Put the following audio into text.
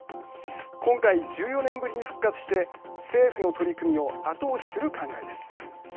今回１４年ぶりに復活して政府の取り組みを後押しする考えです。